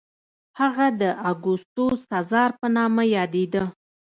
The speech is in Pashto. هغه د اګوستوس سزار په نامه یادېده.